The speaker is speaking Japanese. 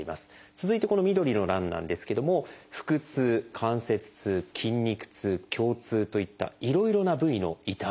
続いてこの緑の欄なんですけども腹痛関節痛筋肉痛胸痛といったいろいろな部位の痛み。